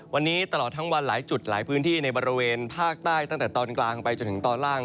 วันนี้ตลอดทั้งวันหลายจุดหลายพื้นที่ในบริเวณภาคใต้ตั้งแต่ตอนกลางไปจนถึงตอนล่าง